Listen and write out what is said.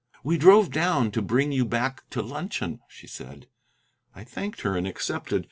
"We drove down to bring you back to luncheon," she said. I thanked her and accepted.